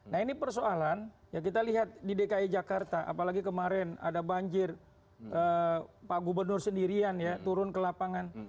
nah ini persoalan ya kita lihat di dki jakarta apalagi kemarin ada banjir pak gubernur sendirian ya turun ke lapangan